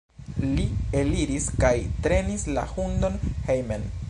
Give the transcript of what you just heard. Li eliris kaj trenis la hundon hejmen.